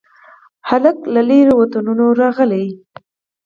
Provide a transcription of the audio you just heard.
هلک د لیرو وطنونو راغلي